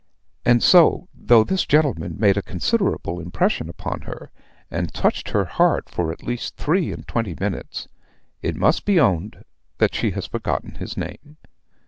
And so, though this gentleman made a considerable impression upon her, and touched her heart for at least three and twenty minutes, it must be owned that she has forgotten his name.